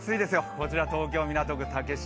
こちら東京・港区竹芝